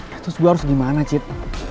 terus gue harus gimana cit